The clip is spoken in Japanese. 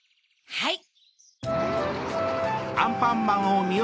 はい。